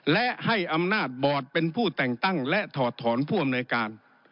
และให้อำนาจบอร์ดเป็นผู้แต่งตั้งและถอดถอนผู้อำนวยการ